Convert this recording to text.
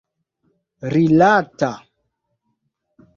rilata